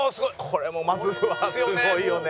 これもまずはすごいよね。